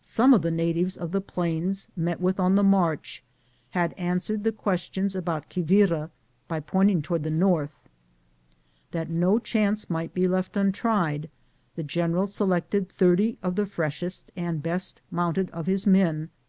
Some of the natives of the plains, met with on the march, had answered the questions about Quivira by pointing to ward the north. That no chance might be left untried, the general selected thirty of the freshest and best mounted of his men to gmzed t, GoOglt!